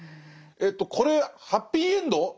えとこれハッピーエンド？